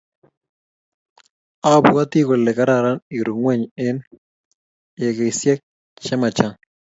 Abwati kole kararn iru ingweny enh eikisiek che machang